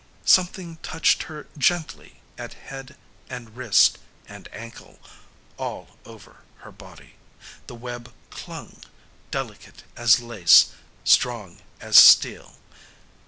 Something touched her gently at head and wrist and ankle all over her body. The web clung, delicate as lace, strong as steel.